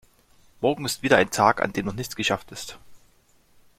Morgen ist wieder ein Tag, an dem noch nichts geschafft ist.